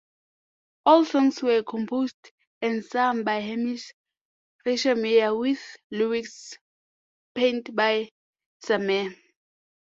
All songs were composed and sung by Himesh Reshammiya with lyrics penned by Sameer.